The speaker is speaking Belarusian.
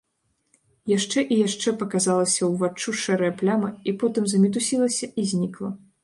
Яшчэ і яшчэ паказалася ўваччу шэрая пляма і потым замітусілася і знікла.